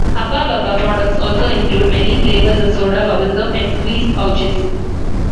Hubba Bubba products also include many flavors of soda, bubble gum and squeeze pouches.